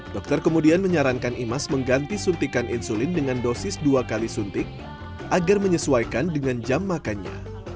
dokter kemudian menyarankan imas mengganti suntikan insulin dengan dosis dua kali suntik agar menyesuaikan dengan jam makannya